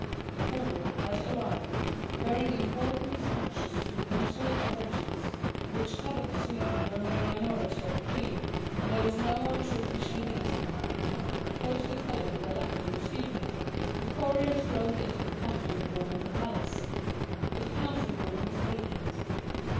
A courier had arrived bearing important dispatches to the Council of Regents which governed Sweden during the minority of the Queen, and there was no one to officially meet him. Closely following the lackey who received him, the courier strode into the council room of the palace. But the council room was vacant.